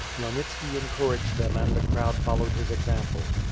Klimyelnitski encouraged them and the crowd followed his example.